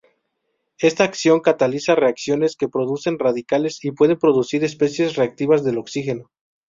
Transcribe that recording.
Esta acción cataliza reacciones que producen radicales y puede producir especies reactivas del oxígeno.